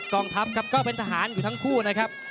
กองทัพครับก็เป็นทหารอยู่ทั้งคู่นะครับ